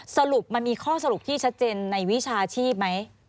สรุปมันมีข้อสรุปที่ชัดเจนในวิชาชีพไหม